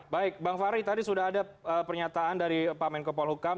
baik bang fahri tadi sudah ada pernyataan dari pak menko polhukam